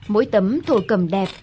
mỗi tấm thổ cầm đẹp